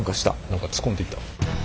何か突っ込んでいった。